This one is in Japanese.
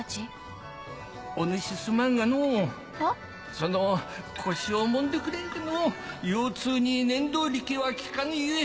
その腰をもんでくれんかのう腰痛に念動力は効かぬゆえ。